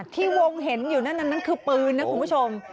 ที่วงเห็นอยู่นั่นคือปืนนะคุณผู้ชม